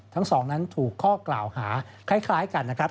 ทั้งสองนั้นถูกข้อกล่าวหาคล้ายกันนะครับ